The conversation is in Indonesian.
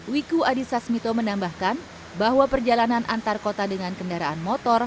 wiku adhisa smito menambahkan bahwa perjalanan antar kota dengan kendaraan motor